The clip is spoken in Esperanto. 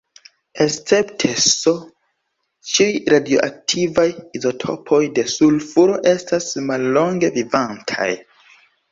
Escepte S, ĉiuj radioaktivaj izotopoj de sulfuro estas mallonge vivantaj.